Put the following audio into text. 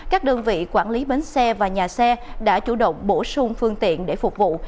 các đơn vị quản lý bến xe và nhà xe đã chủ động bổ sung phương tiện để phục vụ